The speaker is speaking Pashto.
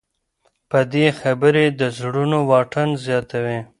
بدې خبرې د زړونو واټن زیاتوي.